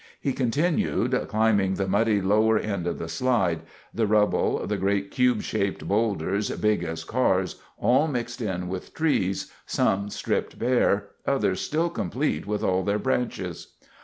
He continued, climbing the muddy lower end of the slide, the rubble, the great cube shaped boulders, big as cars, all mixed in with trees, some stripped bare, others still complete with all their branches.